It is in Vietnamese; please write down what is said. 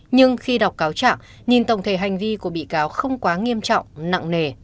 nhưng khi đọc cáo trạng nhìn tổng thể hành vi của bị cáo không quá nghiêm trọng nặng nề